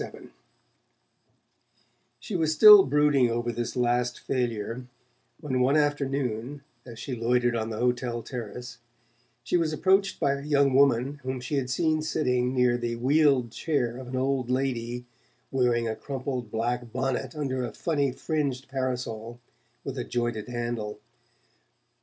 XXVII She was still brooding over this last failure when one afternoon, as she loitered on the hotel terrace, she was approached by a young woman whom she had seen sitting near the wheeled chair of an old lady wearing a crumpled black bonnet under a funny fringed parasol with a jointed handle.